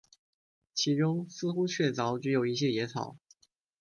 其中似乎确凿只有一些野草